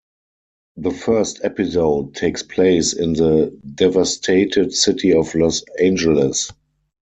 The first episode takes place in the devastated city of Los Angeles.